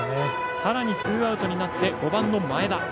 さらにツーアウトになって５番の前田。